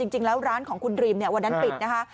จริงแล้วร้านของคุณดรีมวันนั้นปิดนะคะ